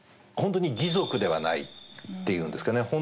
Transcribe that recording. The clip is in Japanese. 本当に義賊ではないっていうんですかね。